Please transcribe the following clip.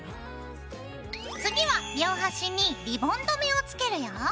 次は両端にリボン留めをつけるよ。